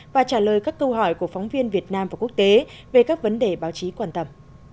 và trả lời các câu hỏi của phóng viên việt nam và quốc tế về các vấn đề báo chí quan tâm